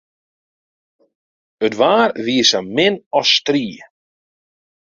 It waar wie sa min as strie.